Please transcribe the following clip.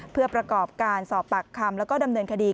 เพื่อประกอบการสอบปากคำแล้วก็ดำเนินคดี